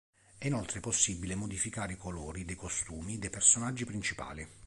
È inoltre possibile modificare i colori dei costumi dei personaggi principali.